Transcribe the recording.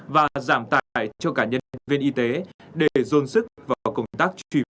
và giảm tài cho cả nhân viên y tế để dồn sức vào công tác truy vết điều trị